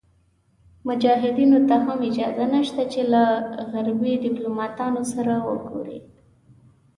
مجاهدینو ته هم اجازه نشته چې له غربي دیپلوماتانو سره وګوري.